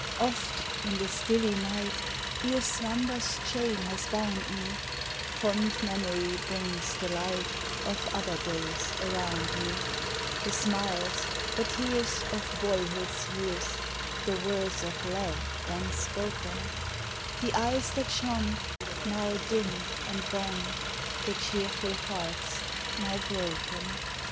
Oft in the stilly night, Ere slumber's chain has bound me, Fond Memory brings the light Of other days around me : The smiles, the tears, Of boyhood's years, The words of love then spoken ; The eyes that shone, Xow dimmed and gone, The cheerful hearts now broken.